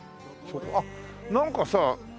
あっなんかさ